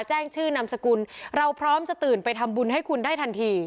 แจ้งชื่อนามสกุลเราพร้อมจะตื่นไปทำบุญให้คุณได้ทันที